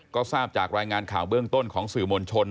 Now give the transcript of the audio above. ก็ทราบจากรายงานข่าวเบื้องต้นของสื่อมวลชน